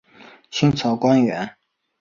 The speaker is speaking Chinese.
清朝官员。